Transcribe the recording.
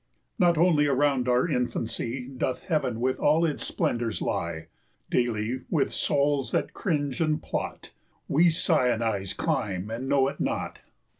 Not only around our infancy Doth heaven with all its splendors lie; 10 Daily, with souls that cringe and plot, We Sinais climb and know it not.